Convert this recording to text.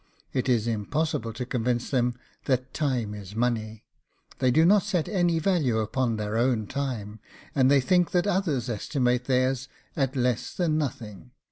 It is impossible to convince them that TIME IS MONEY. They do not set any value upon their own time, and they think that others estimate theirs at less than nothing.